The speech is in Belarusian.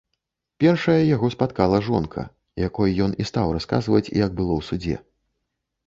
Першая яго спаткала жонка, якой ён і стаў расказваць, як было ў судзе.